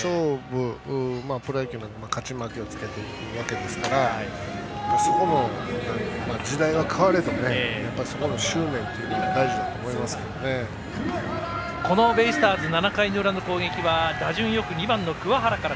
勝負、プロ野球なので勝ち負けつけていくわけですからそこも、時代は変われどそこは執念というのはこのベイスターズ７回裏の攻撃は打順よく２番の桑原から。